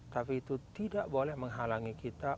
tapi itu tidak boleh menghalangi kita